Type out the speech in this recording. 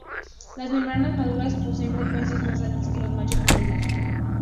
Las hembras maduras poseen frecuencias más altas que los machos maduros.